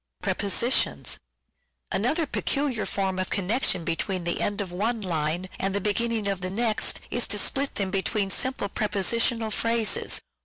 Another peculiar form of connection between the Prepositions. end of one line and the beginning of the next is to split between them simple Prepositional phrases.